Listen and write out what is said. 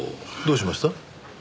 どうしました？